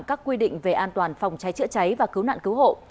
các quy định về an toàn phòng cháy chữa cháy và cứu nạn cứu hộ